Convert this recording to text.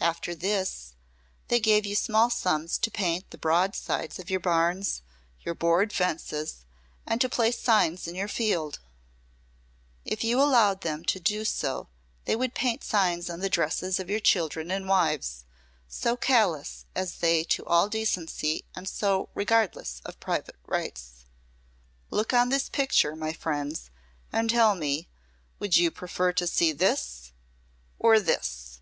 After this they gave you small sums to paint the broad sides of your barns, your board fences, and to place signs in your field. If you allowed them to do so they would paint signs on the dresses of your children and wives, so callous are they to all decency and so regardless of private rights. Look on this picture, my friends, and tell me, would you prefer to see this or this?"